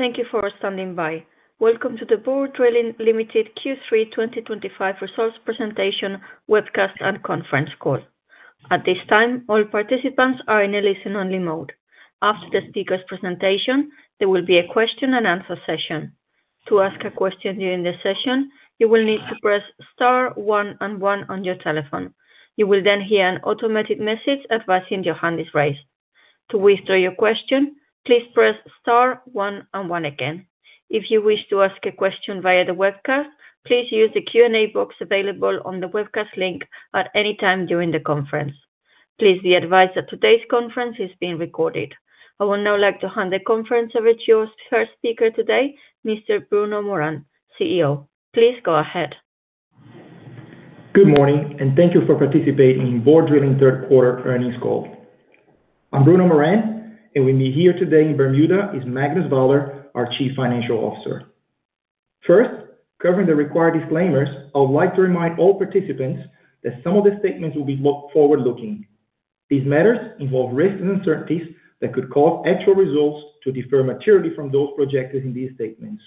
Thank you for standing by. Welcome to the Borr Drilling Q3 2025 results presentation webcast and conference call. At this time, all participants are in a listen-only mode. After the speaker's presentation, there will be a question-and-answer session. To ask a question during the session, you will need to press star one and one on your telephone. You will then hear an automated message advising your hand is raised. To withdraw your question, please press star one and one again. If you wish to ask a question via the webcast, please use the Q&A box available on the webcast link at any time during the conference. Please be advised that today's conference is being recorded. I would now like to hand the conference over to your first speaker today, Mr. Bruno Morand, CEO. Please go ahead. Good morning, and thank you for participating in Borr Drilling third quarter earnings call. I'm Bruno Morand, and with me here today in Bermuda is Magnus Vaaler, our Chief Financial Officer. First, covering the required disclaimers, I would like to remind all participants that some of the statements will be forward-looking. These matters involve risks and uncertainties that could cause actual results to differ materially from those projected in these statements.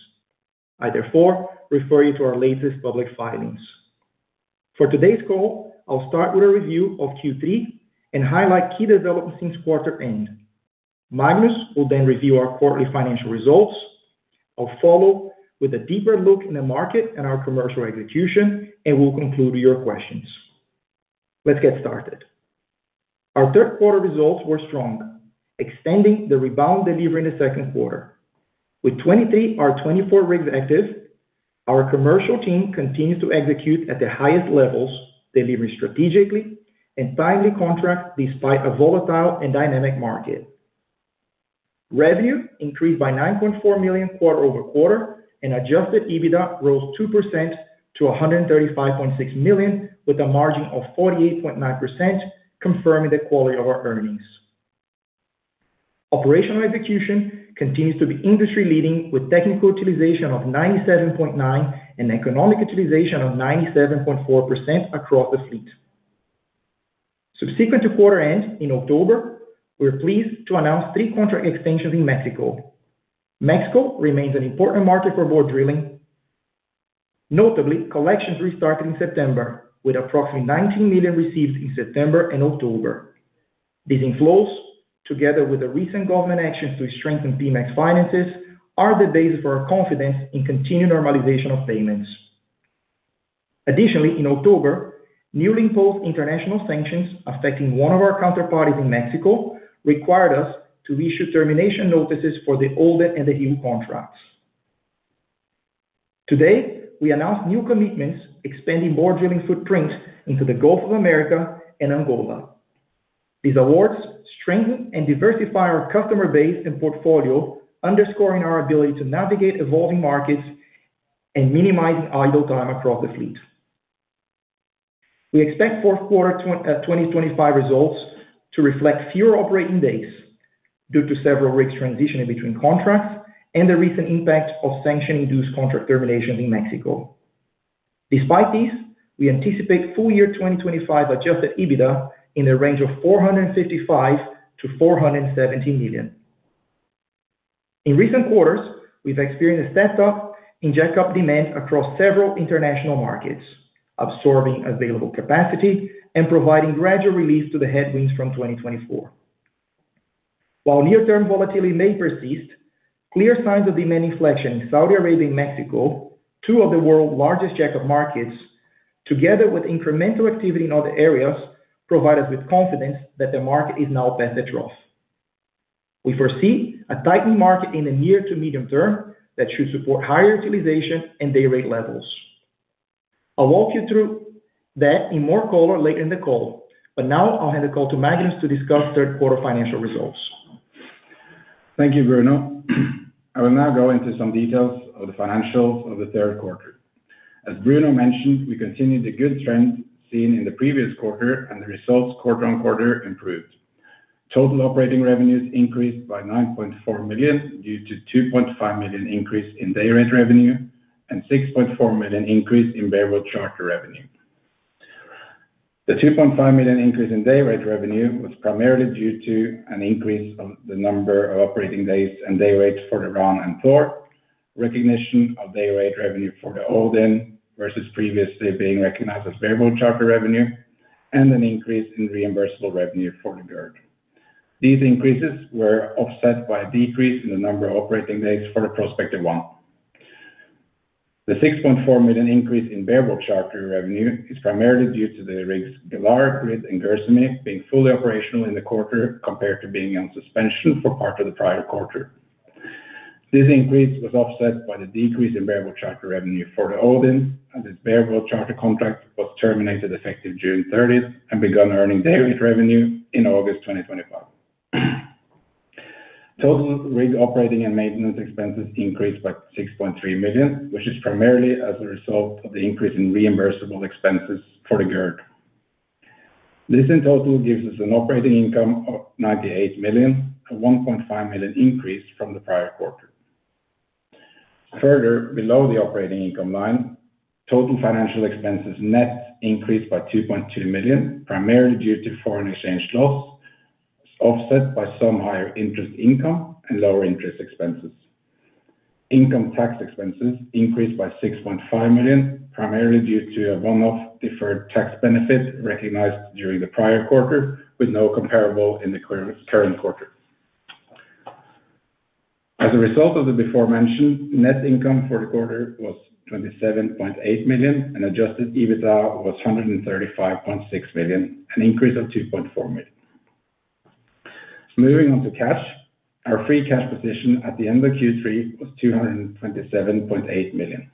I therefore refer you to our latest public filings. For today's call, I'll start with a review of Q3 and highlight key developments since quarter-end. Magnus will then review our quarterly financial results. I'll follow with a deeper look in the market and our commercial execution, and we'll conclude with your questions. Let's get started. Our third-quarter results were strong, extending the rebound delivery in the second quarter. With 23 of our 24 rigs active, our commercial team continues to execute at the highest levels, delivering strategically and timely contracts despite a volatile and dynamic market. Revenue increased by $9.4 million quarter over quarter, and adjusted EBITDA rose 2% to $135.6 million with a margin of 48.9%, confirming the quality of our earnings. Operational execution continues to be industry-leading with technical utilization of 97.9% and economic utilization of 97.4% across the fleet. Subsequent to quarter-end in October, we're pleased to announce three contract extensions in Mexico. Mexico remains an important market for Borr Drilling. Notably, collections restarted in September, with approximately $19 million received in September and October. These inflows, together with the recent government actions to strengthen Pemex finances, are the basis for our confidence in continued normalization of payments. Additionally, in October, newly imposed international sanctions affecting one of our counterparties in Mexico required us to issue termination notices for the older and the new contracts. Today, we announced new commitments expanding Borr Drilling's footprint into the Gulf of America and Angola. These awards strengthen and diversify our customer base and portfolio, underscoring our ability to navigate evolving markets and minimize idle time across the fleet. We expect fourth quarter 2025 results to reflect fewer operating days due to several rigs transitioning between contracts and the recent impact of sanction-induced contract terminations in Mexico. Despite these, we anticipate full year 2025 adjusted EBITDA in the range of $455 million-$470 million. In recent quarters, we've experienced a step-up in jack-up demand across several international markets, absorbing available capacity and providing gradual relief to the headwinds from 2024. While near-term volatility may persist, clear signs of demand inflection in Saudi Arabia and Mexico, two of the world's largest jack-up markets, together with incremental activity in other areas, provide us with confidence that the market is now best at draws. We foresee a tightening market in the near to medium term that should support higher utilization and day-rate levels. I'll walk you through that in more color later in the call, but now I'll hand the call to Magnus to discuss third-quarter financial results. Thank you, Bruno. I will now go into some details of the financials of the third quarter. As Bruno mentioned, we continued the good trend seen in the previous quarter, and the results quarter on quarter improved. Total operating revenues increased by $9.4 million due to a $2.5 million increase in day-rate revenue and a $6.4 million increase in variable charter revenue. The $2.5 million increase in day-rate revenue was primarily due to an increase of the number of operating days and day rates for the Ran and Thor, recognition of day-rate revenue for the Odin versus previously being recognized as variable charter revenue, and an increase in reimbursable revenue for the Gerd. These increases were offset by a decrease in the number of operating days for the Prospector One. The $6.4 million increase in variable charter revenue is primarily due to the rigs Galar, Grid, and Gersemi being fully operational in the quarter compared to being on suspension for part of the prior quarter. This increase was offset by the decrease in variable charter revenue for the Odin, as its variable charter contract was terminated effective June 30 and began earning day-rate revenue in August 2025. Total rig operating and maintenance expenses increased by $6.3 million, which is primarily as a result of the increase in reimbursable expenses for the Gerd. This in total gives us an operating income of $98 million, a $1.5 million increase from the prior quarter. Further, below the operating income line, total financial expenses net increased by $2.2 million, primarily due to foreign exchange loss, offset by some higher interest income and lower interest expenses. Income tax expenses increased by $6.5 million, primarily due to a one-off deferred tax benefit recognized during the prior quarter, with no comparable in the current quarter. As a result of the before-mentioned, net income for the quarter was $27.8 million, and adjusted EBITDA was $135.6 million, an increase of $2.4 million. Moving on to cash, our free cash position at the end of Q3 was $227.8 million.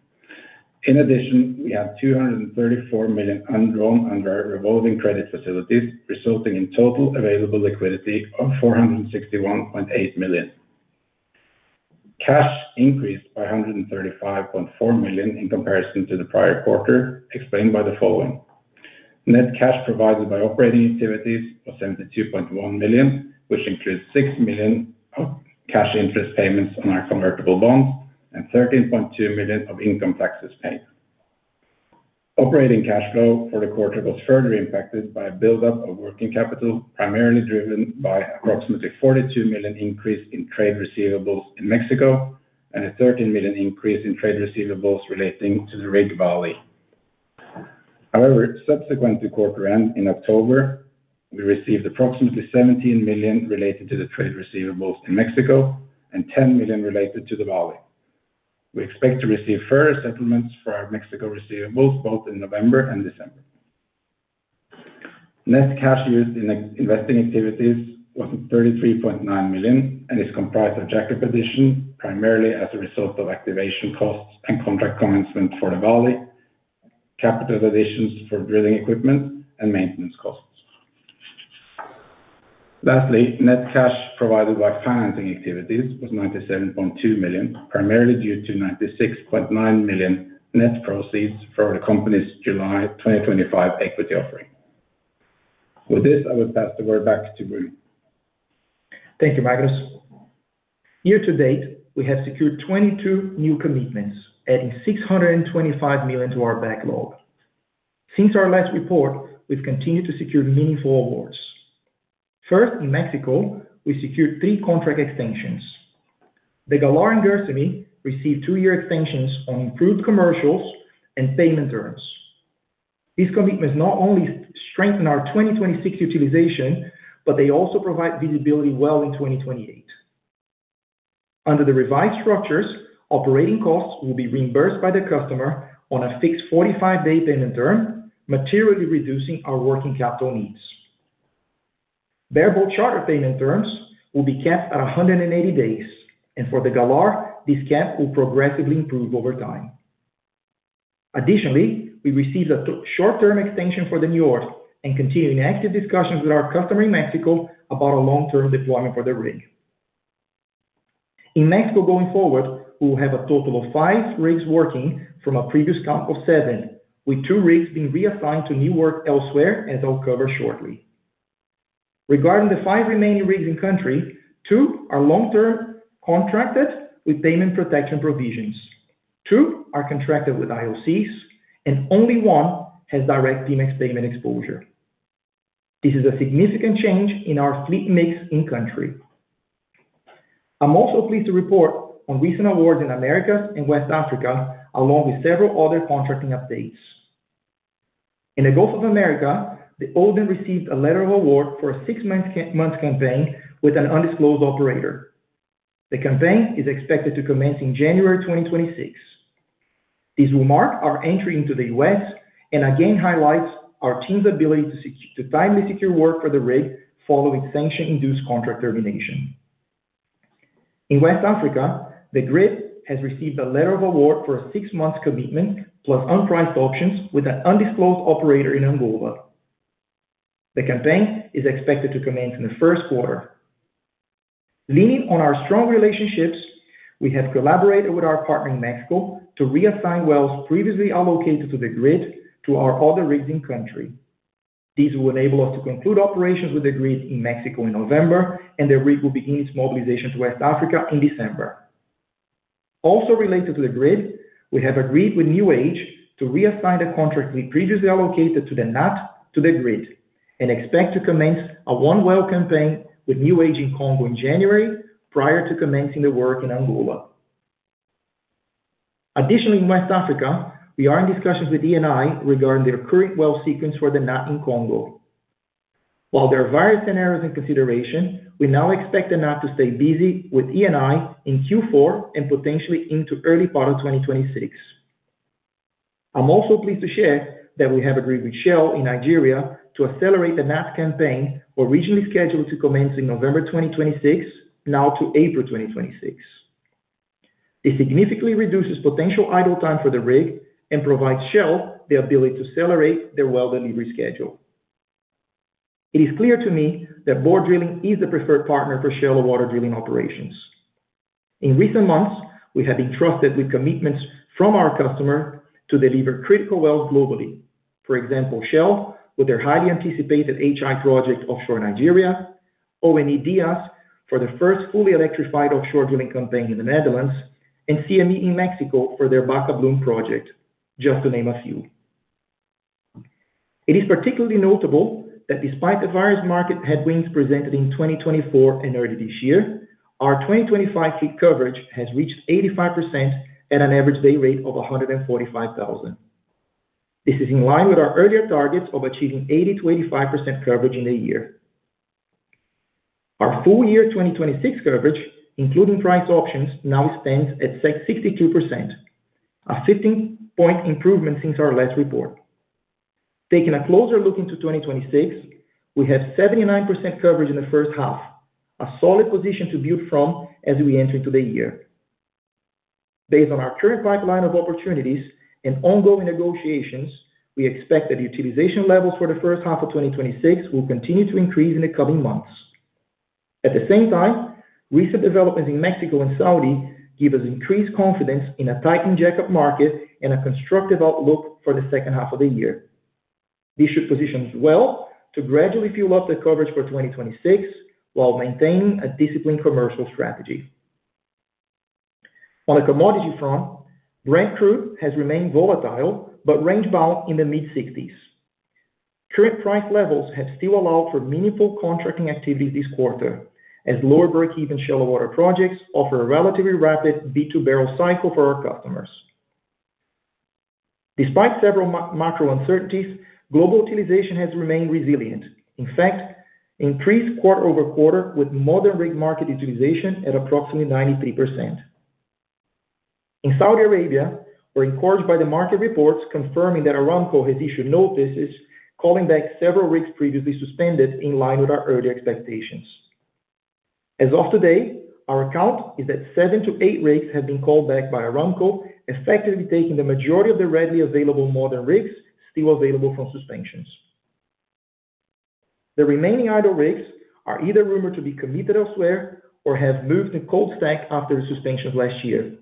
In addition, we had $234 million undrawn under our revolving credit facilities, resulting in total available liquidity of $461.8 million. Cash increased by $135.4 million in comparison to the prior quarter, explained by the following. Net cash provided by operating activities was $72.1 million, which includes $6 million of cash interest payments on our convertible bonds and $13.2 million of income taxes paid. Operating cash flow for the quarter was further impacted by a build-up of working capital, primarily driven by an approximately $42 million increase in trade receivables in Mexico and a $13 million increase in trade receivables relating to the rig Vali. However, subsequent to quarter-end in October, we received approximately $17 million related to the trade receivables in Mexico and $10 million related to the Vali. We expect to receive further settlements for our Mexico receivables both in November and December. Net cash used in investing activities was $33.9 million and is comprised of jack-up addition, primarily as a result of activation costs and contract commencement for the Vali. Capital additions for drilling equipment and maintenance costs. Lastly, net cash provided by financing activities was $97.2 million, primarily due to $96.9 million net proceeds for the company's July 2025 equity offering. With this, I would pass the word back to Bruno. Thank you, Magnus. Year to date, we have secured 22 new commitments, adding $625 million to our backlog. Since our last report, we've continued to secure meaningful awards. First, in Mexico, we secured three contract extensions. The Galar and Gersemi received two-year extensions on improved commercials and payment terms. These commitments not only strengthen our 2026 utilization, but they also provide visibility well into 2028. Under the revised structures, operating costs will be reimbursed by the customer on a fixed 45-day payment term, materially reducing our working capital needs. Variable charter payment terms will be capped at 180 days, and for the Galar, this cap will progressively improve over time. Additionally, we received a short-term extension for the Njord and continue in active discussions with our customer in Mexico about a long-term deployment for the rig. In Mexico going forward, we will have a total of five rigs working from a previous count of seven, with two rigs being reassigned to New Age elsewhere, as I'll cover shortly. Regarding the five remaining rigs in country, two are long-term contracted with payment protection provisions, two are contracted with IOCs, and only one has direct Pemex payment exposure. This is a significant change in our fleet mix in country. I'm also pleased to report on recent awards in the Americas and West Africa, along with several other contracting updates. In the Gulf of America, the Odin received a letter of award for a six-month campaign with an undisclosed operator. The campaign is expected to commence in January 2026. This will mark our entry into the U.S. and again highlights our team's ability to timely secure work for the rig following sanction-induced contract termination. In West Africa, the Grid has received a letter of award for a six-month commitment plus unpriced options with an undisclosed operator in Angola. The campaign is expected to commence in the first quarter. Leaning on our strong relationships, we have collaborated with our partner in Mexico to reassign wells previously allocated to the Grid to our other rigs in country. These will enable us to conclude operations with the Grid in Mexico in November, and the rig will begin its mobilization to West Africa in December. Also related to the Grid, we have agreed with New Age to reassign the contract we previously allocated to the Natt to the Grid and expect to commence a one-well campaign with New Age in Congo in January prior to commencing the work in Angola. Additionally, in West Africa, we are in discussions with Eni regarding the recurring well sequence for the Natt in Congo. While there are various scenarios in consideration, we now expect the Natt to stay busy with Eni in Q4 and potentially into early part of 2026. I'm also pleased to share that we have agreed with Shell in Nigeria to accelerate the Natt campaign originally scheduled to commence in November 2026, now to April 2026. This significantly reduces potential idle time for the rig and provides Shell the ability to accelerate their well delivery schedule. It is clear to me that Borr Drilling is the preferred partner for Shell water drilling operations. In recent months, we have been trusted with commitments from our customer to deliver critical wells globally. For example, Shell with their highly anticipated HI project offshore Nigeria, ONE-Dyas for the first fully electrified offshore drilling campaign in the Netherlands, and CME in Mexico for their Bacab-Lum project, just to name a few. It is particularly notable that despite the various market headwinds presented in 2024 and early this year, our 2025 fleet coverage has reached 85% at an average day rate of $145,000. This is in line with our earlier targets of achieving 80%-85% coverage in a year. Our full year 2026 coverage, including price options, now stands at 62%, a 15-point improvement since our last report. Taking a closer look into 2026, we have 79% coverage in the first half, a solid position to build from as we enter into the year. Based on our current pipeline of opportunities and ongoing negotiations, we expect that utilization levels for the first half of 2026 will continue to increase in the coming months. At the same time, recent developments in Mexico and Saudi give us increased confidence in a tightened jack-up market and a constructive outlook for the second half of the year. This should position us well to gradually fuel up the coverage for 2026 while maintaining a disciplined commercial strategy. On the commodity front, Brent crude has remained volatile but rangebound in the mid-$60s. Current price levels have still allowed for meaningful contracting activities this quarter, as lower break-even shallow water projects offer a relatively rapid B2 barrel cycle for our customers. Despite several macro uncertainties, global utilization has remained resilient. In fact, increased quarter over quarter with modern rig market utilization at approximately 93%. In Saudi Arabia, we're encouraged by the market reports confirming that Aramco has issued notices calling back several rigs previously suspended in line with our earlier expectations. As of today, our count is that seven to eight rigs have been called back by Aramco, effectively taking the majority of the readily available modern rigs still available from suspensions. The remaining idle rigs are either rumored to be committed elsewhere or have moved to cold stack after the suspensions last year.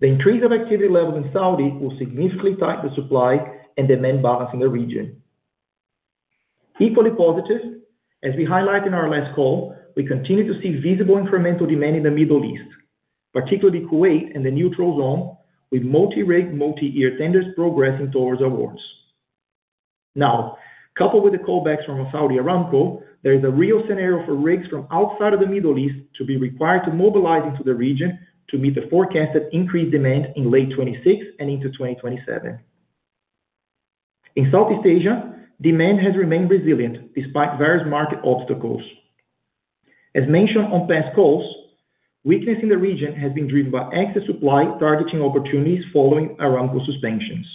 The increase of activity levels in Saudi will significantly tighten the supply and demand balance in the region. Equally positive, as we highlighted in our last call, we continue to see visible incremental demand in the Middle East, particularly Kuwait and the Neutral Zone, with multi-rig, multi-year tenders progressing towards awards. Now, coupled with the callbacks from a Saudi Aramco, there is a real scenario for rigs from outside of the Middle East to be required to mobilize into the region to meet the forecasted increased demand in late 2026 and into 2027. In Southeast Asia, demand has remained resilient despite various market obstacles. As mentioned on past calls, weakness in the region has been driven by excess supply targeting opportunities following Aramco suspensions.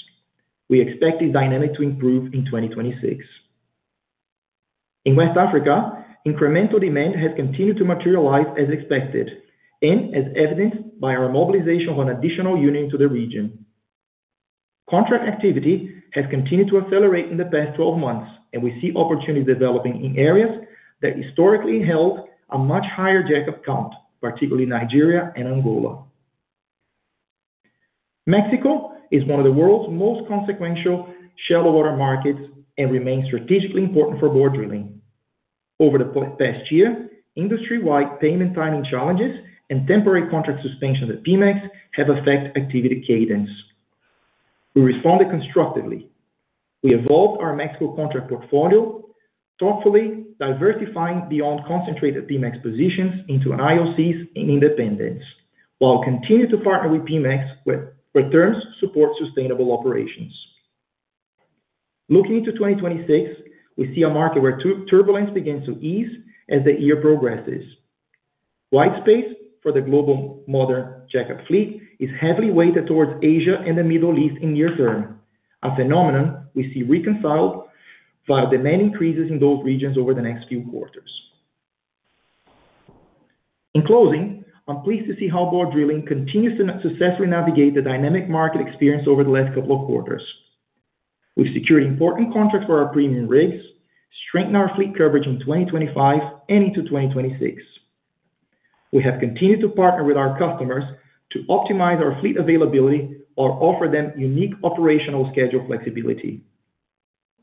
We expect this dynamic to improve in 2026. In West Africa, incremental demand has continued to materialize as expected, and as evidenced by our mobilization of an additional unit into the region. Contract activity has continued to accelerate in the past 12 months, and we see opportunities developing in areas that historically held a much higher jack-up count, particularly Nigeria and Angola. Mexico is one of the world's most consequential shallow water markets and remains strategically important for Borr Drilling. Over the past year, industry-wide payment timing challenges and temporary contract suspensions at Pemex have affected activity cadence. We responded constructively. We evolved our Mexico contract portfolio, thoughtfully diversifying beyond concentrated Pemex positions into IOCs and independents, while continuing to partner with Pemex where terms support sustainable operations. Looking into 2026, we see a market where turbulence begins to ease as the year progresses. White space for the global modern jack-up fleet is heavily weighted towards Asia and the Middle East in the near term, a phenomenon we see reconciled via demand increases in those regions over the next few quarters. In closing, I'm pleased to see how Borr Drilling continues to successfully navigate the dynamic market experience over the last couple of quarters. We've secured important contracts for our premium rigs, strengthened our fleet coverage in 2025 and into 2026. We have continued to partner with our customers to optimize our fleet availability or offer them unique operational schedule flexibility.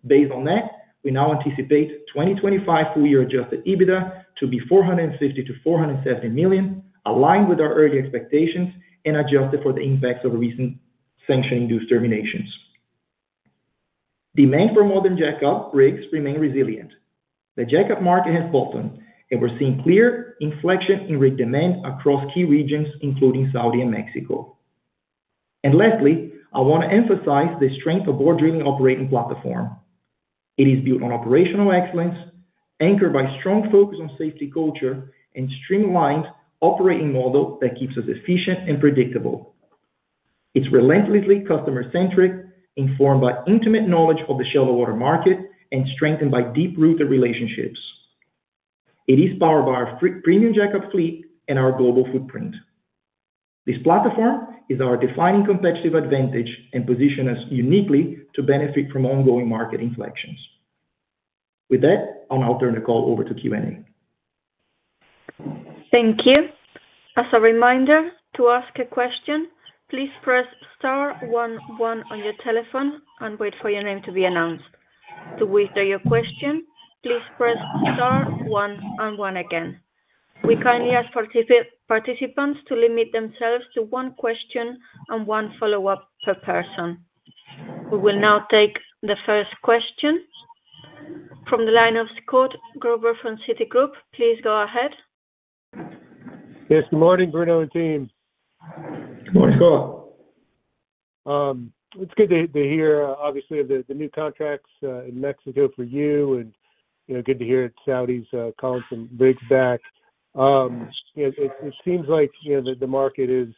Based on that, we now anticipate 2025 full-year adjusted EBITDA to be $450 million-$470 million, aligned with our early expectations and adjusted for the impacts of recent sanction-induced terminations. Demand for modern jack-up rigs remains resilient. The jack-up market has bottomed, and we're seeing clear inflection in rig demand across key regions, including Saudi Arabia and Mexico. Lastly, I want to emphasize the strength of Borr Drilling operating platform. It is built on operational excellence, anchored by a strong focus on safety culture and a streamlined operating model that keeps us efficient and predictable. It's relentlessly customer-centric, informed by intimate knowledge of the shallow water market and strengthened by deep-rooted relationships. It is powered by our premium jack-up fleet and our global footprint. This platform is our defining competitive advantage and positions us uniquely to benefit from ongoing market inflections. With that, I'll now turn the call over to Q&A. Thank you. As a reminder, to ask a question, please press star 11 on your telephone and wait for your name to be announced. To withdraw your question, please press star 11 again. We kindly ask participants to limit themselves to one question and one follow-up per person. We will now take the first question. From the line of Scott Gruber from Citigroup. Please go ahead. Yes, good morning, Bruno and team. Good morning, Scott. It's good to hear, obviously, of the new contracts in Mexico for you, and good to hear Saudi's calling some rigs back. It seems like the market is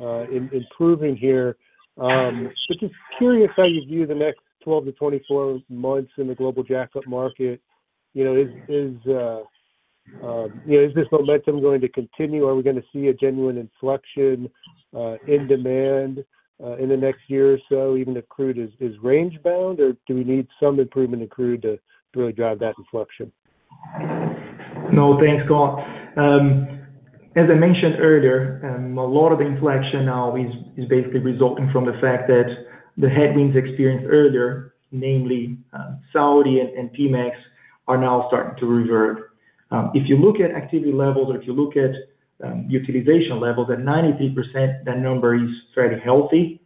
improving here. Just curious how you view the next 12-24 months in the global jack-up market. Is this momentum going to continue? Are we going to see a genuine inflection in demand in the next year or so, even if crude is range-bound, or do we need some improvement in crude to really drive that inflection? No, thanks, Scott. As I mentioned earlier, a lot of the inflection now is basically resulting from the fact that the headwinds experienced earlier, namely Saudi and Pemex, are now starting to revert. If you look at activity levels or if you look at utilization levels at 93%, that number is fairly healthy.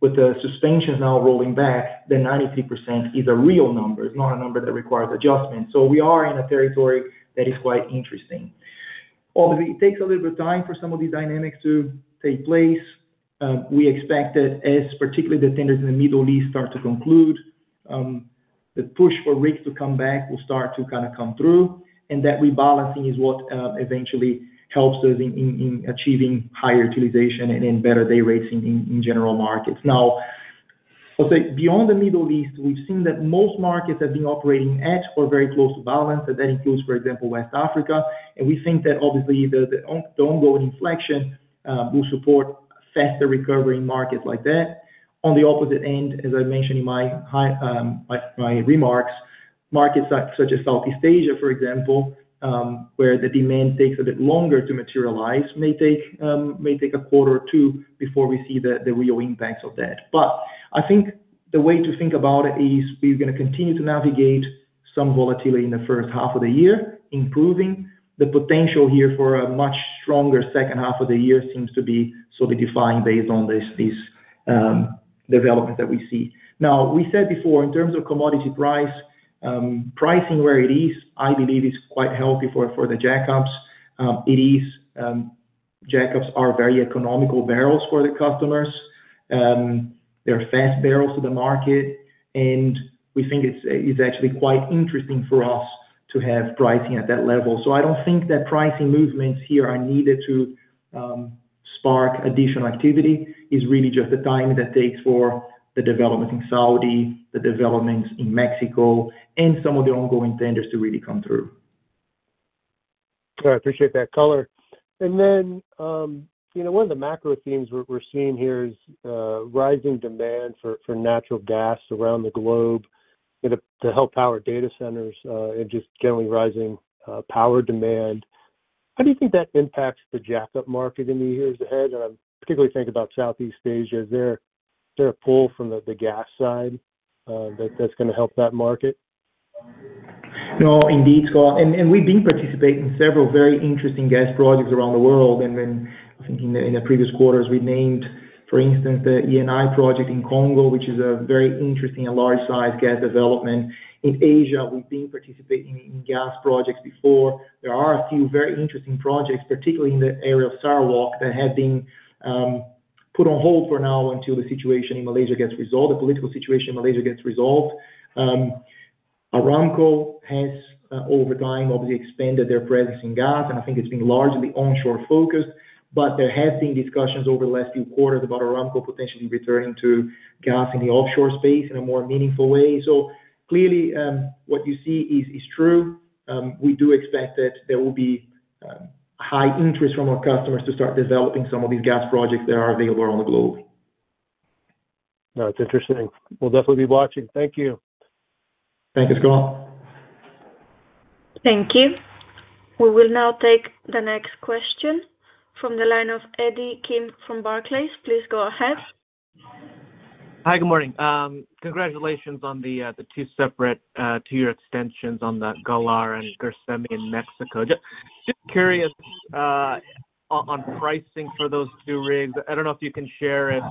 With the suspensions now rolling back, the 93% is a real number. It is not a number that requires adjustment. We are in a territory that is quite interesting. Obviously, it takes a little bit of time for some of these dynamics to take place. We expect that as particularly the tenders in the Middle East start to conclude, the push for rigs to come back will start to kind of come through, and that rebalancing is what eventually helps us in achieving higher utilization and better day rates in general markets. Now I'll say beyond the Middle East, we've seen that most markets have been operating at or very close to balance, and that includes, for example, West Africa. We think that obviously the ongoing inflection will support faster recovery in markets like that. On the opposite end, as I mentioned in my remarks, markets such as Southeast Asia, for example, where the demand takes a bit longer to materialize, may take a quarter or two before we see the real impacts of that. I think the way to think about it is we're going to continue to navigate some volatility in the first half of the year, improving. The potential here for a much stronger second half of the year seems to be solidifying based on this development that we see. Now, we said before, in terms of commodity pricing, where it is, I believe, is quite healthy for the jack-ups. Jack-ups are very economical barrels for the customers. They're fast barrels to the market, and we think it's actually quite interesting for us to have pricing at that level. I don't think that pricing movements here are needed to spark additional activity. It's really just the time that it takes for the developments in Saudi, the developments in Mexico, and some of the ongoing tenders to really come through. I appreciate that color. One of the macro themes we're seeing here is rising demand for natural gas around the globe to help power data centers and just generally rising power demand. How do you think that impacts the jack-up market in the years ahead? I'm particularly thinking about Southeast Asia. Is there a pull from the gas side that's going to help that market? No, indeed, Scott. We have been participating in several very interesting gas projects around the world. I think in the previous quarters, we named, for instance, the Eni project in Congo, which is a very interesting and large-sized gas development. In Asia, we have been participating in gas projects before. There are a few very interesting projects, particularly in the area of Sarawak, that have been put on hold for now until the situation in Malaysia gets resolved, the political situation in Malaysia gets resolved. Aramco has, over time, obviously expanded their presence in gas, and I think it has been largely onshore-focused. There have been discussions over the last few quarters about Aramco potentially returning to gas in the offshore space in a more meaningful way. Clearly, what you see is true. We do expect that there will be. High interest from our customers to start developing some of these gas projects that are available around the globe. That's interesting. We'll definitely be watching. Thank you. Thank you, Scott. Thank you. We will now take the next question from the line of Eddie Kim from Barclays. Please go ahead. Hi, good morning. Congratulations on the two separate two-year extensions on the Galar and Gersemi in Mexico. Just curious on pricing for those two rigs. I don't know if you can share if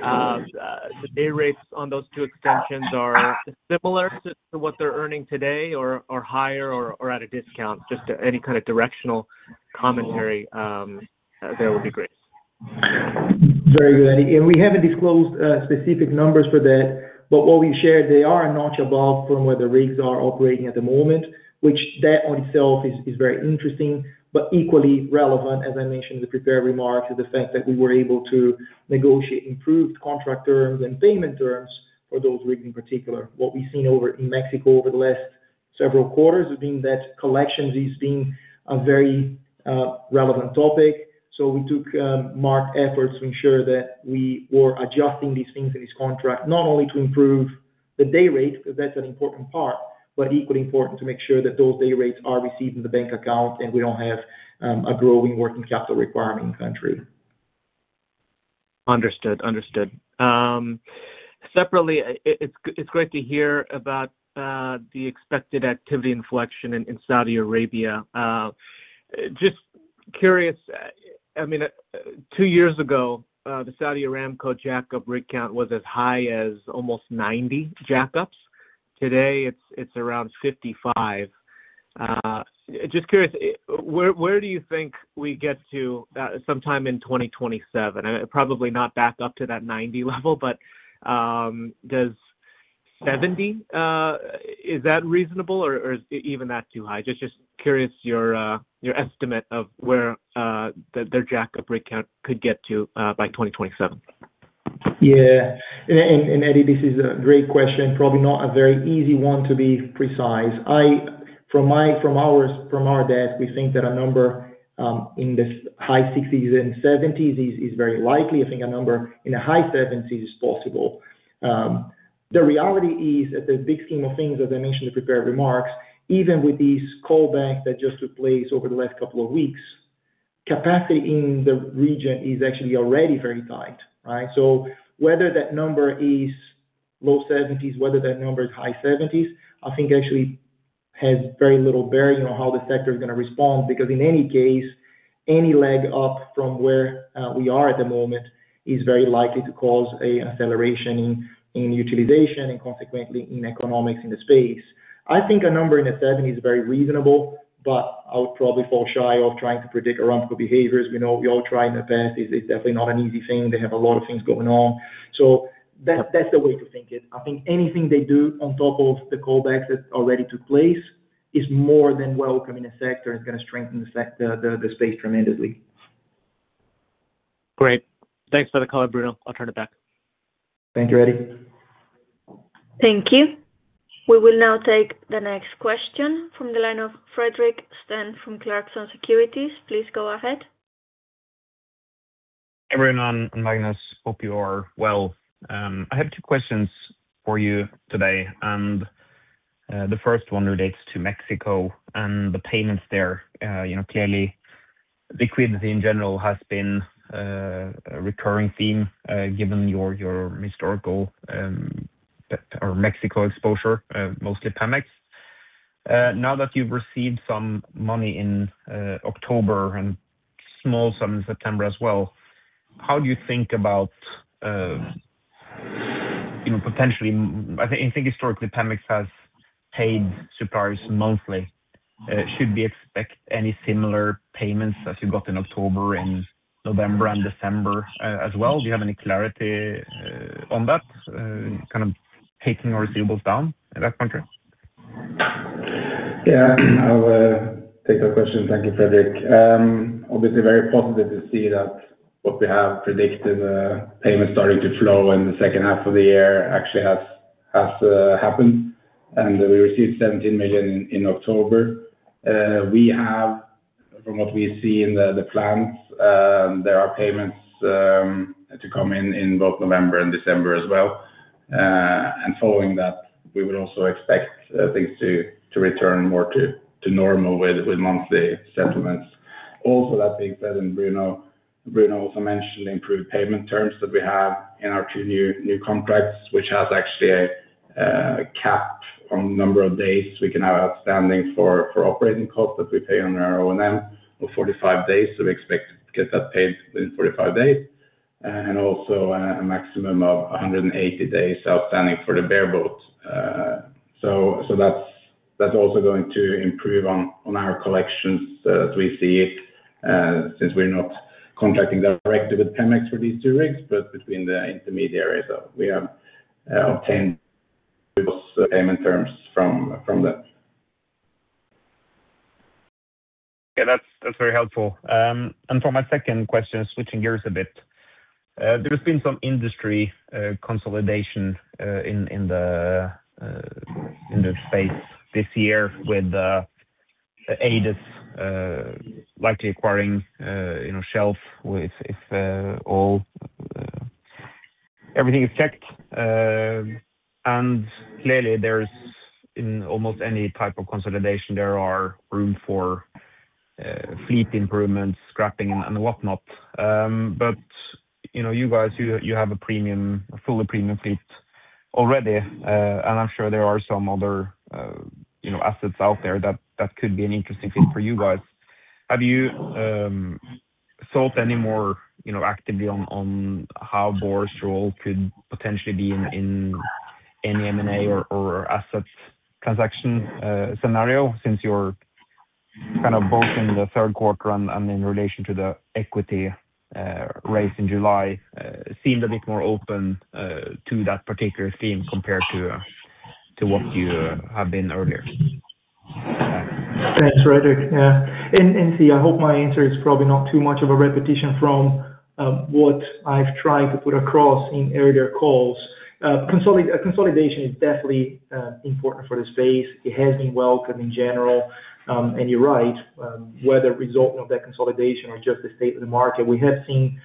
the day rates on those two extensions are similar to what they're earning today or higher or at a discount. Just any kind of directional commentary there would be great. Very good, Eddie. We haven't disclosed specific numbers for that, but what we shared, they are a notch above from where the rigs are operating at the moment, which that on itself is very interesting. Equally relevant, as I mentioned in the prepared remarks, is the fact that we were able to negotiate improved contract terms and payment terms for those rigs in particular. What we've seen over in Mexico over the last several quarters has been that collections is being a very relevant topic. We took marked efforts to ensure that we were adjusting these things in this contract, not only to improve the day rate, because that's an important part, but equally important to make sure that those day rates are received in the bank account and we don't have a growing working capital requirement in the country. Understood. Understood. Separately, it's great to hear about the expected activity inflection in Saudi Arabia. Just curious, I mean, two years ago, the Saudi Aramco jack-up rig count was as high as almost 90 jack-ups. Today, it's around 55. Just curious, where do you think we get to sometime in 2027? Probably not back up to that 90 level, but does 70, is that reasonable or is even that too high? Just curious your estimate of where their jack-up rig count could get to by 2027. Yeah. Eddie, this is a great question. Probably not a very easy one to be precise. From our desk, we think that a number in the high 60s and 70s is very likely. I think a number in the high 70s is possible. The reality is, in the big scheme of things, as I mentioned in the prepared remarks, even with these callbacks that just took place over the last couple of weeks, capacity in the region is actually already very tight. Whether that number is low 70s, whether that number is high 70s, I think actually has very little bearing on how the sector is going to respond, because in any case, any leg up from where we are at the moment is very likely to cause an acceleration in utilization and consequently in economics in the space. I think a number in the 70s is very reasonable, but I would probably fall shy of trying to predict Aramco behaviors. We all try in the past. It's definitely not an easy thing. They have a lot of things going on. So that's the way to think it. I think anything they do on top of the callbacks that already took place is more than welcome in the sector and is going to strengthen the space tremendously. Great. Thanks for the color, Bruno. I'll turn it back. Thank you, Eddie. Thank you. We will now take the next question from the line of Fredrik Stene from Clarksons Securities. Please go ahead. Hey, Bruno and Magnus. Hope you are well. I have two questions for you today. The first one relates to Mexico and the payments there. Clearly, liquidity in general has been a recurring theme given your historical Mexico exposure, mostly Pemex. Now that you've received some money in October and small sums in September as well, how do you think about potentially, I think historically Pemex has paid suppliers monthly. Should we expect any similar payments as you got in October and November and December as well? Do you have any clarity on that, kind of taking our receivables down in that country? Yeah. I'll take that question. Thank you, Fredrik. Obviously, very positive to see that what we have predicted, the payments starting to flow in the second half of the year, actually has happened. And we received $17 million in October. We have, from what we see in the plans, there are payments to come in both November and December as well. Following that, we would also expect things to return more to normal with monthly settlements. Also, that being said, and Bruno also mentioned the improved payment terms that we have in our two new contracts, which has actually a cap on the number of days we can have outstanding for operating costs that we pay under our O&M of 45 days. We expect to get that paid within 45 days. Also, a maximum of 180 days outstanding for the bareboat. That's also going to improve on our collections that we see. Since we're not contracting directly with Pemex for these two rigs, but between the intermediaries, we have obtained those payment terms from them. Yeah, that's very helpful. For my second question, switching gears a bit. There has been some industry consolidation in the space this year with ADES likely acquiring Shelf if everything is checked. Clearly, in almost any type of consolidation, there is room for fleet improvements, scrapping, and whatnot. You guys have a premium, fully premium fleet already, and I'm sure there are some other assets out there that could be an interesting fit for you guys. Have you thought any more actively on how Borr's role could potentially be in any M&A or asset transaction scenario since you kind of both in the third quarter and in relation to the equity raise in July seemed a bit more open to that particular theme compared to what you have been earlier? Thanks, Fredrik. Yeah. I hope my answer is probably not too much of a repetition from what I've tried to put across in earlier calls. Consolidation is definitely important for the space. It has been welcomed in general. You're right. Whether resulting from that consolidation or just the state of the market, we have seen,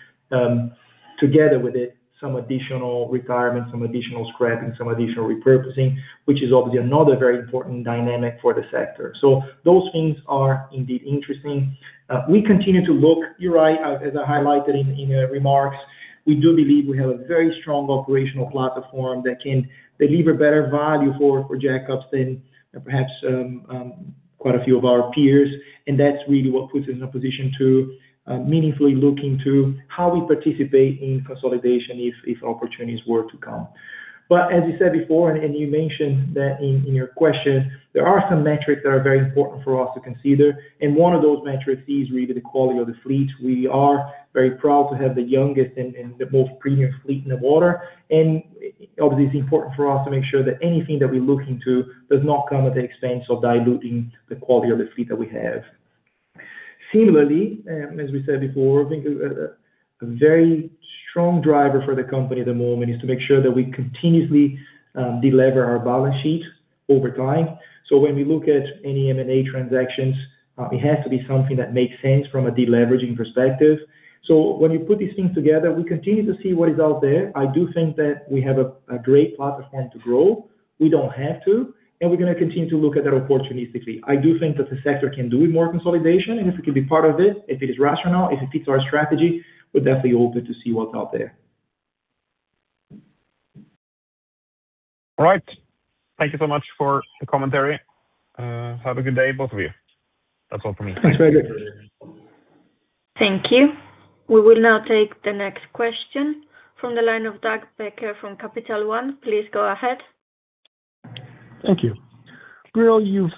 together with it, some additional retirement, some additional scrapping, some additional repurposing, which is obviously another very important dynamic for the sector. Those things are indeed interesting. We continue to look, you're right, as I highlighted in your remarks, we do believe we have a very strong operational platform that can deliver better value for jack-ups than perhaps quite a few of our peers. That's really what puts us in a position to meaningfully look into how we participate in consolidation if opportunities were to come. As you said before, and you mentioned that in your question, there are some metrics that are very important for us to consider. One of those metrics is really the quality of the fleet. We are very proud to have the youngest and the most premium fleet in the water. Obviously, it's important for us to make sure that anything that we look into does not come at the expense of diluting the quality of the fleet that we have. Similarly, as we said before, a very strong driver for the company at the moment is to make sure that we continuously deliver our balance sheet over time. When we look at any M&A transactions, it has to be something that makes sense from a deleveraging perspective. When you put these things together, we continue to see what is out there. I do think that we have a great platform to grow. We do not have to. We are going to continue to look at that opportunistically. I do think that the sector can do with more consolidation. If we can be part of it, if it is rational, if it fits our strategy, we are definitely open to see what is out there. All right. Thank you so much for the commentary. Have a good day, both of you. That's all for me. Thanks, Fredrik. Thank you. We will now take the next question from the line of Doug Becker from Capital One. Please go ahead. Thank you. Bruno, you've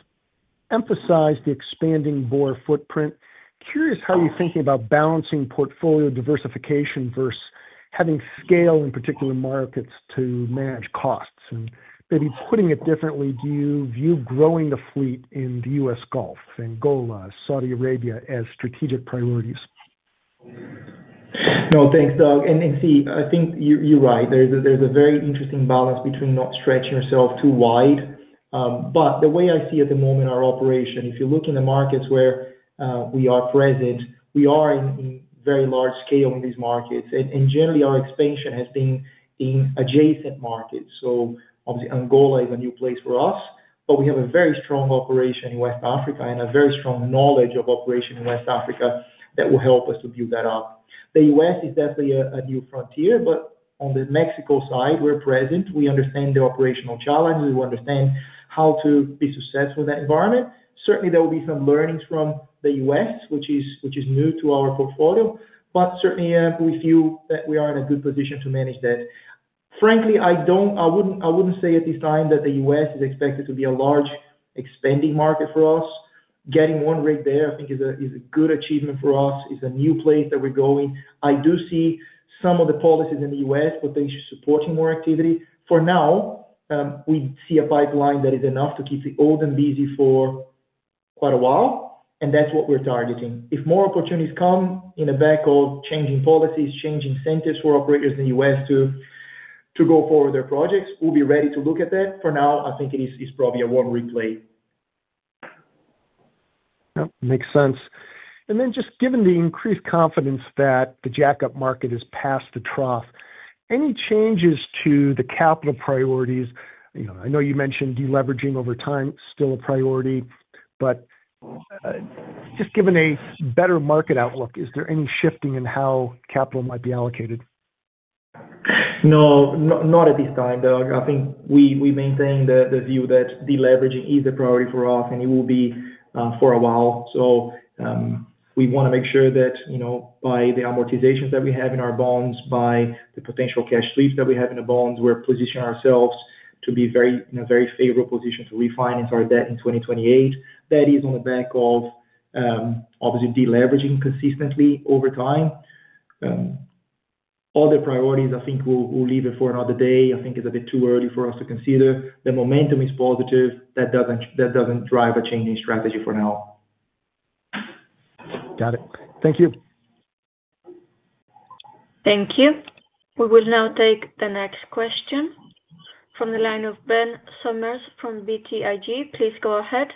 emphasized the expanding Borr footprint. Curious how you're thinking about balancing portfolio diversification versus having scale in particular markets to manage costs. Maybe putting it differently, do you view growing the fleet in the U.S. Gulf, Angola, Saudi Arabia as strategic priorities? No, thanks, Doug. I think you're right. There's a very interesting balance between not stretching yourself too wide. The way I see at the moment our operation, if you look in the markets where we are present, we are in very large scale in these markets. Generally, our expansion has been in adjacent markets. Obviously, Angola is a new place for us, but we have a very strong operation in West Africa and a very strong knowledge of operation in West Africa that will help us to build that up. The U.S. is definitely a new frontier, but on the Mexico side, we're present. We understand the operational challenges. We understand how to be successful in that environment. Certainly, there will be some learnings from the U.S., which is new to our portfolio, but certainly, we feel that we are in a good position to manage that. Frankly, I wouldn't say at this time that the U.S. is expected to be a large expanding market for us. Getting one rig there, I think, is a good achievement for us. It's a new place that we're going. I do see some of the policies in the U.S. potentially supporting more activity. For now, we see a pipeline that is enough to keep the old and busy for quite a while, and that's what we're targeting. If more opportunities come in the back of changing policies, changing incentives for operators in the U.S. to go forward with their projects, we'll be ready to look at that. For now, I think it is probably a one-replay. Makes sense. Just given the increased confidence that the jack-up market has passed the trough, any changes to the capital priorities? I know you mentioned deleveraging over time is still a priority, but just given a better market outlook, is there any shifting in how capital might be allocated? No, not at this time, Doug. I think we maintain the view that deleveraging is a priority for us, and it will be for a while. We want to make sure that by the amortizations that we have in our bonds, by the potential cash sweeps that we have in the bonds, we're positioning ourselves to be in a very favorable position to refinance our debt in 2028. That is on the back of obviously deleveraging consistently over time. Other priorities, I think, we'll leave it for another day. I think it's a bit too early for us to consider. The momentum is positive. That doesn't drive a changing strategy for now. Got it. Thank you. Thank you. We will now take the next question from the line of Ben Sommers from BTIG. Please go ahead.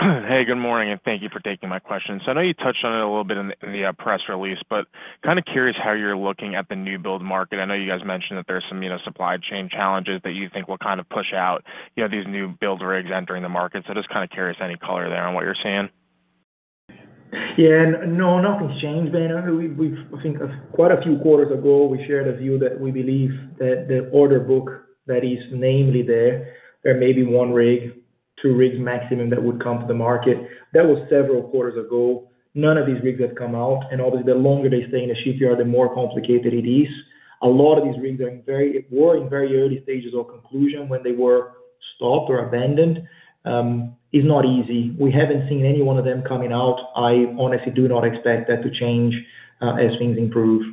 Hey, good morning, and thank you for taking my question. I know you touched on it a little bit in the press release, but kind of curious how you're looking at the new build market. I know you guys mentioned that there are some supply chain challenges that you think will kind of push out these new build rigs entering the market. Just kind of curious any color there on what you're seeing. Yeah. No, nothing's changed, Ben. I think quite a few quarters ago, we shared a view that we believe that the order book that is namely there, there may be one rig, two rigs maximum that would come to the market. That was several quarters ago. None of these rigs have come out. Obviously, the longer they stay in the shipyard, the more complicated it is. A lot of these rigs were in very early stages of conclusion when they were stopped or abandoned. It's not easy. We haven't seen any one of them coming out. I honestly do not expect that to change as things improve.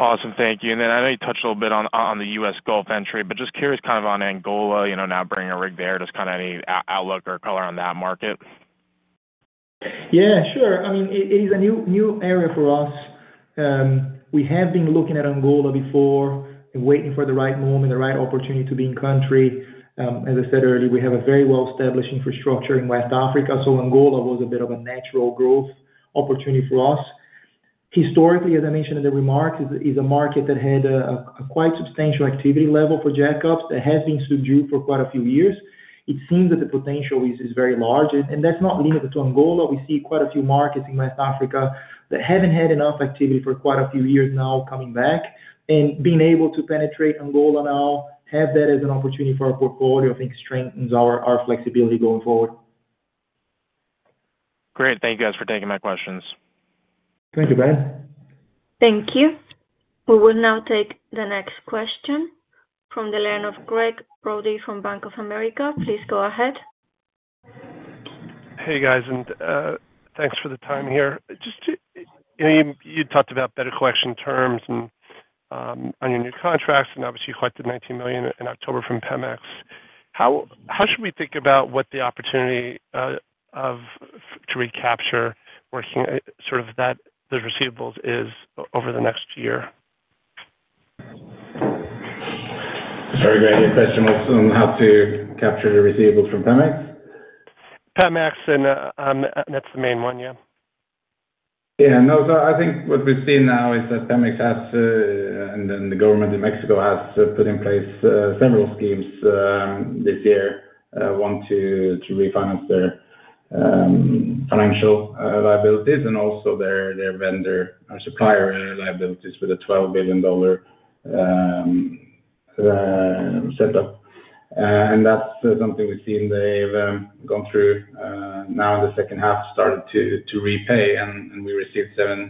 Awesome. Thank you. I know you touched a little bit on the U.S. Gulf entry, but just curious kind of on Angola, now bringing a rig there, just kind of any outlook or color on that market. Yeah, sure. I mean, it is a new area for us. We have been looking at Angola before and waiting for the right moment, the right opportunity to be in country. As I said earlier, we have a very well-established infrastructure in West Africa. Angola was a bit of a natural growth opportunity for us. Historically, as I mentioned in the remarks, it's a market that had a quite substantial activity level for jack-ups that has been subdued for quite a few years. It seems that the potential is very large. That's not limited to Angola. We see quite a few markets in West Africa that haven't had enough activity for quite a few years now coming back. Being able to penetrate Angola now, have that as an opportunity for our portfolio, I think, strengthens our flexibility going forward. Great. Thank you guys for taking my questions. Thank you, Ben. Thank you. We will now take the next question from the line of Gregg Brody from Bank of America. Please go ahead. Hey, guys. Thanks for the time here. You talked about better collection terms on your new contracts and obviously collected $19 million in October from Pemex. How should we think about what the opportunity to recapture working sort of those receivables is over the next year? It's a very great question on how to capture the receivables from Pemex. Pemex, and that's the main one, yeah. Yeah. No, so I think what we've seen now is that Pemex has, and then the government in Mexico has put in place several schemes this year, want to refinance their financial liabilities and also their vendor or supplier liabilities with a $12 billion setup. And that's something we've seen. They've gone through now in the second half, started to repay, and we received $17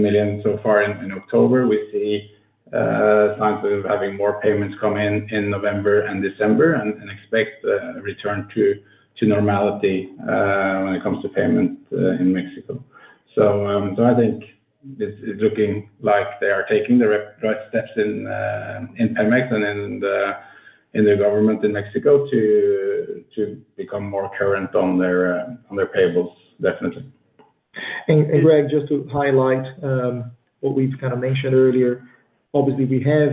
million so far in October. We see signs of having more payments come in November and December and expect a return to normality when it comes to payments in Mexico. I think it's looking like they are taking the right steps in Pemex and in the government in Mexico to become more current on their payables, definitely. Gregg, just to highlight what we've kind of mentioned earlier, obviously, we have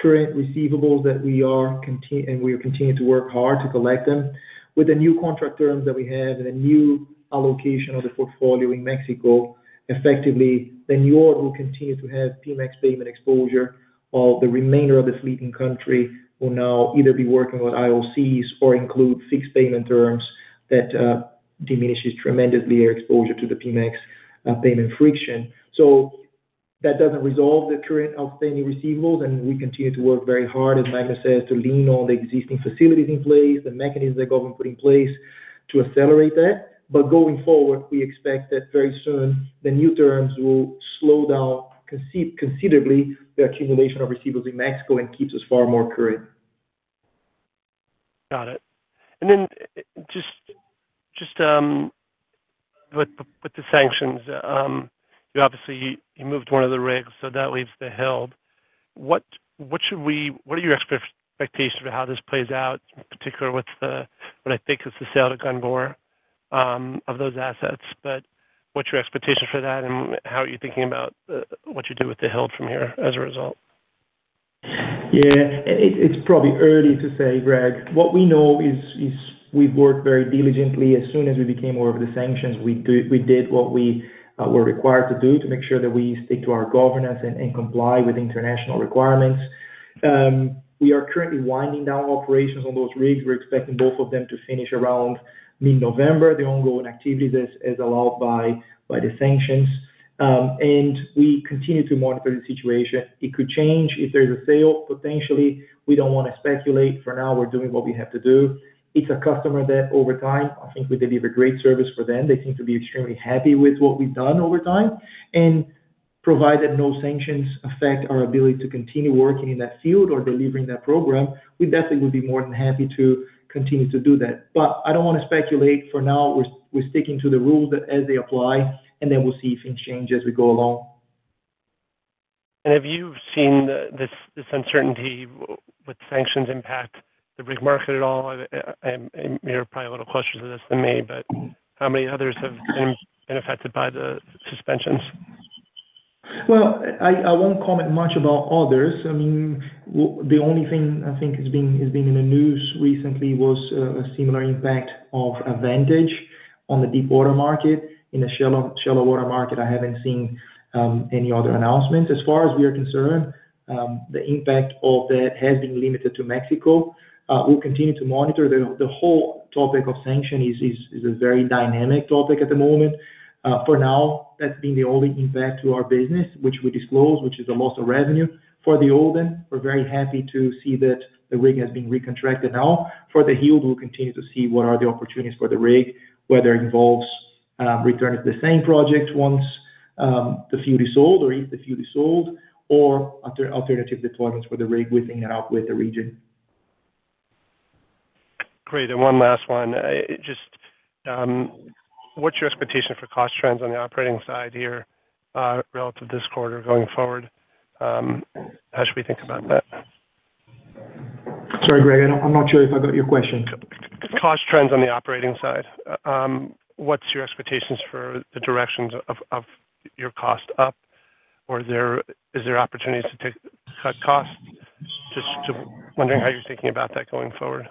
current receivables that we are, and we are continuing to work hard to collect them. With the new contract terms that we have and the new allocation of the portfolio in Mexico, effectively, the New York will continue to have Pemex payment exposure. The remainder of the fleet in country will now either be working with IOCs or include fixed payment terms that diminishes tremendously our exposure to the Pemex payment friction. That doesn't resolve the current outstanding receivables, and we continue to work very hard, as Magnus says, to lean on the existing facilities in place, the mechanisms that government put in place to accelerate that. Going forward, we expect that very soon the new terms will slow down considerably the accumulation of receivables in Mexico and keeps us far more current. Got it. And then just with the sanctions, obviously, you moved one of the rigs, so that leaves the Hild. What are your expectations for how this plays out, particularly with what I think is the sale to Gunnlod of those assets? But what's your expectation for that, and how are you thinking about what you do with the Hild from here as a result? Yeah. It's probably early to say, Greg. What we know is we've worked very diligently. As soon as we became aware of the sanctions, we did what we were required to do to make sure that we stick to our governance and comply with international requirements. We are currently winding down operations on those rigs. We're expecting both of them to finish around mid-November, the ongoing activities as allowed by the sanctions. We continue to monitor the situation. It could change if there's a sale, potentially. We don't want to speculate. For now, we're doing what we have to do. It's a customer that, over time, I think we deliver great service for them. They seem to be extremely happy with what we've done over time. Provided no sanctions affect our ability to continue working in that field or delivering that program, we definitely would be more than happy to continue to do that. I do not want to speculate. For now, we are sticking to the rules as they apply, and then we will see if things change as we go along. Have you seen this uncertainty with sanctions impact the rig market at all? You're probably a little closer to this than me, but how many others have been affected by the suspensions? I won't comment much about others. I mean, the only thing I think has been in the news recently was a similar impact of Vantage on the deep water market. In the shallow water market, I haven't seen any other announcements. As far as we are concerned, the impact of that has been limited to Mexico. We'll continue to monitor. The whole topic of sanction is a very dynamic topic at the moment. For now, that's been the only impact to our business, which we disclose, which is the loss of revenue. For the old one, we're very happy to see that the rig has been recontracted now. For the Hild, we'll continue to see what are the opportunities for the rig, whether it involves returning to the same project once the field is sold or if the field is sold, or alternative deployments for the rig within and out with the region. Great. And one last one. Just what's your expectation for cost trends on the operating side here relative to this quarter going forward? How should we think about that? Sorry, Gregg. I'm not sure if I got your question. Cost trends on the operating side. What's your expectations for the directions of your cost up? Or is there opportunities to cut costs? Just wondering how you're thinking about that going forward.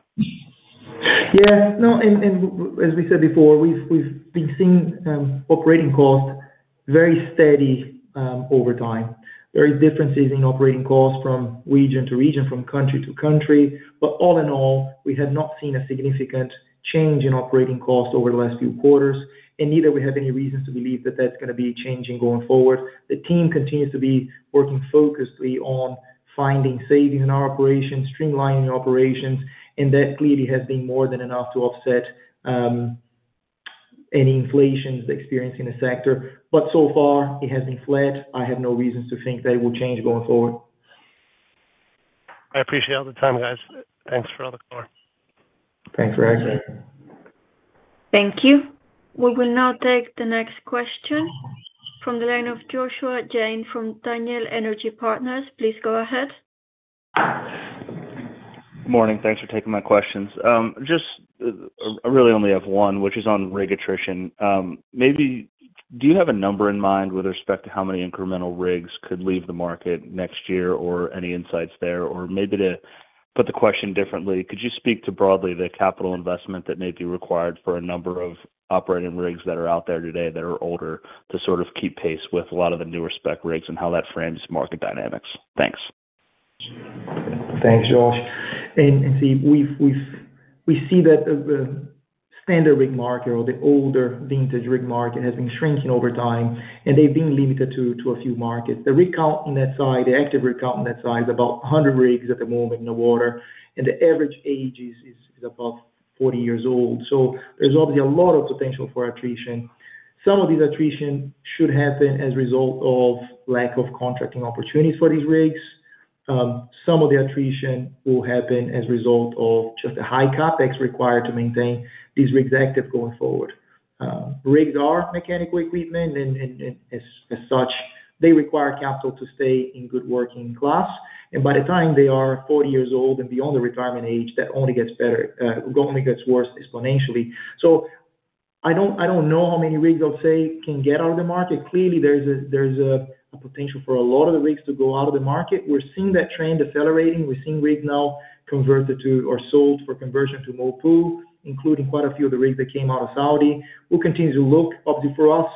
Yeah. No, and as we said before, we've been seeing operating costs very steady over time. There are differences in operating costs from region to region, from country to country. All in all, we have not seen a significant change in operating costs over the last few quarters. Neither do we have any reasons to believe that that's going to be changing going forward. The team continues to be working focused on finding savings in our operations, streamlining operations, and that clearly has been more than enough to offset any inflations experienced in the sector. So far, it has been flat. I have no reasons to think that it will change going forward. I appreciate all the time, guys. Thanks for all the call. Thanks, Gregg. Thank you. We will now take the next question from the line of Joshua Jayne from Daniel Energy Partners. Please go ahead. Good morning. Thanks for taking my questions. I really only have one, which is on rig attrition. Maybe do you have a number in mind with respect to how many incremental rigs could leave the market next year or any insights there? Or maybe to put the question differently, could you speak to broadly the capital investment that may be required for a number of operating rigs that are out there today that are older to sort of keep pace with a lot of the newer spec rigs and how that frames market dynamics? Thanks. Thanks, Josh. We see that the standard rig market or the older vintage rig market has been shrinking over time, and they've been limited to a few markets. The rig count on that side, the active rig count on that side, is about 100 rigs at the moment in the water, and the average age is above 40 years old. There is obviously a lot of potential for attrition. Some of this attrition should happen as a result of lack of contracting opportunities for these rigs. Some of the attrition will happen as a result of just the high CapEx required to maintain these rigs active going forward. Rigs are mechanical equipment, and as such, they require capital to stay in good working class. By the time they are 40 years old and beyond the retirement age, that only gets worse exponentially. I don't know how many rigs I'll say can get out of the market. Clearly, there's a potential for a lot of the rigs to go out of the market. We're seeing that trend accelerating. We're seeing rigs now converted to or sold for conversion to more pool, including quite a few of the rigs that came out of Saudi. We'll continue to look. Obviously, for us,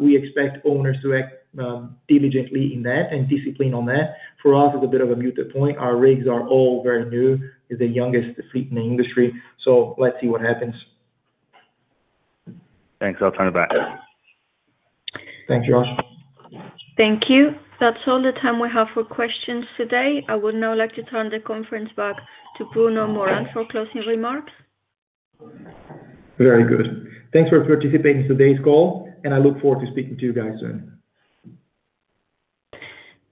we expect owners to act diligently in that and discipline on that. For us, it's a bit of a muted point. Our rigs are all very new. It's the youngest fleet in the industry. Let's see what happens. Thanks. I'll turn it back. Thanks, Josh. Thank you. That's all the time we have for questions today. I would now like to turn the conference back to Bruno Morand for closing remarks. Very good. Thanks for participating in today's call, and I look forward to speaking to you guys soon.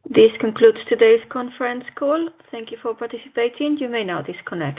This concludes today's conference call. Thank you for participating. You may now disconnect.